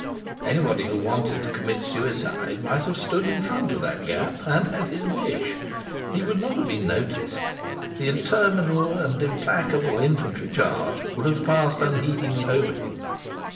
Anybody who wanted to commit suicide might have stood in front of that gap and had his wish. He would not have been noticed. The interminable and implacable infantry charge would have passed unheedingly over him.